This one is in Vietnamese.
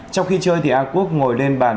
trong khi chơi thì a quốc ngồi lên bàn